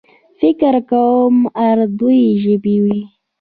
فکر کوم اردو ژبۍ و.